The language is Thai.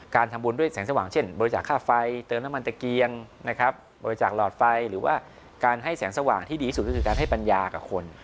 การทำบุญด้วยแสงสว่างเช่นบริจาคค่าไฟเติมน้ำมันตะเกียงนะครับบริจาคหลอดไฟหรือว่าการให้แสงสว่างที่ดีที่สุดก็คือการให้ปัญญากับคน